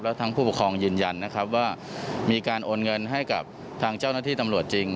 ทั้งผู้ปกครองยืนยันนะครับว่ามีการโอนเงินให้กับทางเจ้าหน้าที่ตำรวจจริง